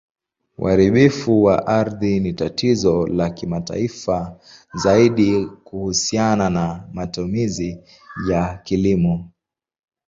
Uharibifu wa ardhi ni tatizo la kimataifa, zaidi kuhusiana na matumizi ya kilimo.